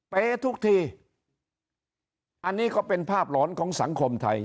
เป๊ะทุกทีอันนี้ก็เป็นภาพหลอนของสังคมไทย